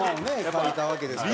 描いたわけですから。